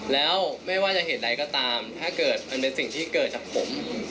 แล้วไม่ว่าจะเหตุใดก็ตามถ้าเกิดมันเป็นสิ่งที่เกิดจากผม